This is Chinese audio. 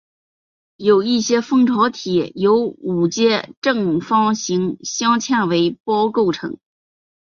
有一些蜂巢体由五阶正方形镶嵌为胞构成